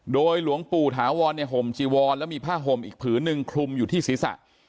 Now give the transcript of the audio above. โดยหลวงปู่ถาวรเนี่ยห่มจีวรแล้วมีผ้าห่มอีกผืนหนึ่งคลุมอยู่ที่ศีรษะ